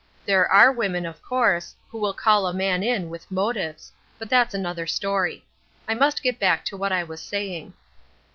There are women, of course, who will call a man in with motives but that's another story. I must get back to what I was saying.